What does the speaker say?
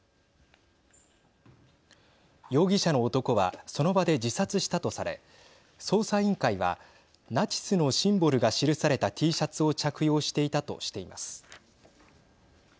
容疑者の男はその場で自殺したとされ捜査委員会はナチスのシンボルが記されたＴシャツを着用していたとしています。